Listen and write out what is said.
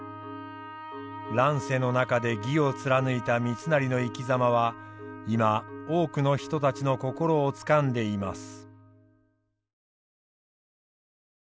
乱世の中で義を貫いた三成の生きざまは今多くの人たちの心をつかんでいます。